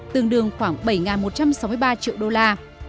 tương đương khoảng bảy một trăm sáu mươi ba triệu đô la